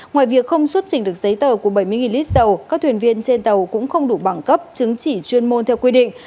ngoài việc không xuất trình được giấy tờ của bảy mươi lít dầu các thuyền viên trên tàu cũng không đủ bằng cấp chứng chỉ chuyên môn theo quy định